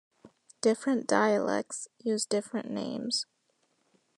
Different dialects use different names.